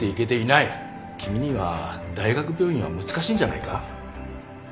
君には大学病院は難しいんじゃないか？